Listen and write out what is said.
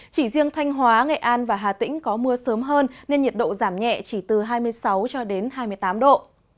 chỉ riêng thanh hóa nghệ an và hà tĩnh có mưa sớm hơn nên nhiệt độ giảm nhẹ chỉ từ hai mươi sáu cho đến hai mươi tám độ